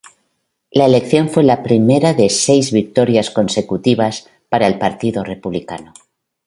La elección fue la primera de seis victorias consecutivas para el Partido Republicano.